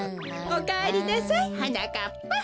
おかえりなさいはなかっぱ。